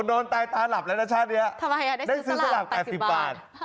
นอนตายตาหลับแล้วนะชาติเนี้ยทำไมอ่ะได้ซื้อสลากแปดสิบบาท